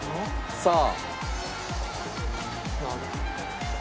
さあ。